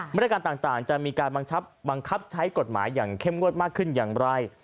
มาตรการต่างจะมีการบังคับใช้กฎหมายอย่างเข้มงวดมากขึ้นอย่างไร